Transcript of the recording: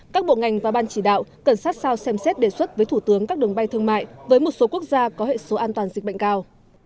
các bộ ngành và ban chỉ đạo cần sát sao xem xét đề xuất với thủ tướng các đường bay thương mại với một số quốc gia có hệ số an toàn dịch bệnh cao